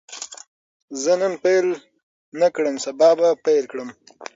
که زه نن پیل نه کړم، سبا به پیل کړم.